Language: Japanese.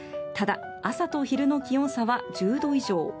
ただ、朝と昼の気温差は１０度以上。